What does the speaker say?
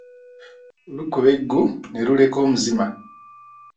Lukuba eggu ne luleka omuzima.